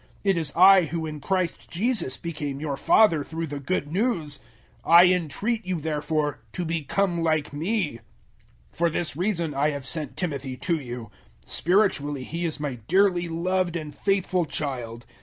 It is I who in Christ Jesus became your father through the Good News. 004:016 I entreat you therefore to become like me. 004:017 For this reason I have sent Timothy to you. Spiritually he is my dearly loved and faithful child.